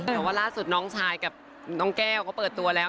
แต่ว่าล่าสุดน้องชายกับน้องแก้วเขาเปิดตัวแล้ว